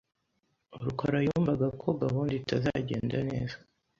rukara yumvaga ko gahunda itazagenda neza .